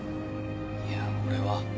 いや俺は。